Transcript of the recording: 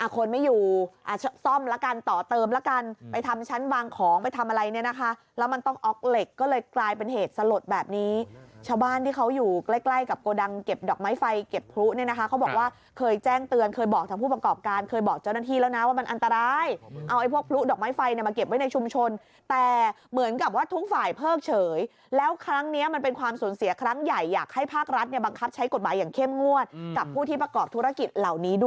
กำลังของไปทำอะไรเนี่ยนะคะแล้วมันต้องออกเหล็กก็เลยกลายเป็นเหตุสลดแบบนี้ชาวบ้านที่เขาอยู่ใกล้กับโกดังเก็บดอกไม้ไฟเก็บพลุเนี่ยนะคะเขาบอกว่าเคยแจ้งเตือนเคยบอกทางผู้ประกอบการเคยบอกเจ้าหน้าที่แล้วนะว่ามันอันตรายเอาไอ้พวกพลุดอกไม้ไฟมาเก็บไว้ในชุมชนแต่เหมือนกับว่าทุกฝ่ายเพิ่งเฉยแล้วครั้